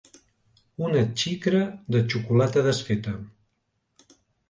Una xicra de xocolata desfeta.